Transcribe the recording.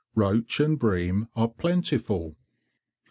Roach and bream are plentiful.